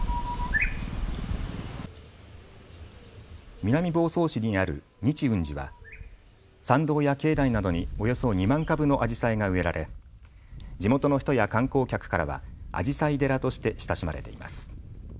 南房総市にある日運寺は参道や境内などにおよそ２万株のアジサイが植えられ地元の人や観光客からはあじさい寺として親しまれています。